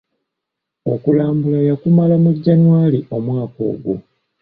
Okulambula yakumala mu January omwaka ogwo.